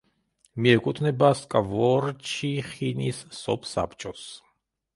მიეკუთვნება სკვორჩიხინის სოფსაბჭოს.